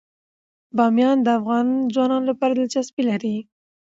بامیان د افغان ځوانانو لپاره دلچسپي لري.